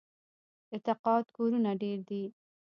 د تقاعد کورونه ډیر دي.